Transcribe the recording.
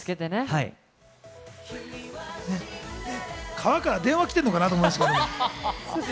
川から電話来てるのかなと思いましたけど。